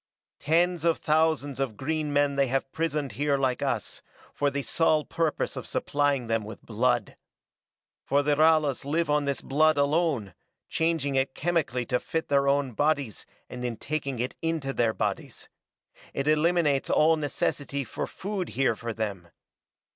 "Tens of thousands of green men they have prisoned here like us, for the sole purpose of supplying them with blood. For the Ralas live on this blood alone, changing it chemically to fit their own bodies and then taking it into their bodies. It eliminates all necessity for food here for them.